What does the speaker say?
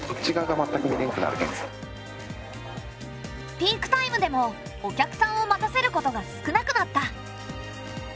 ピークタイムでもお客さんを待たせることが少なくなった。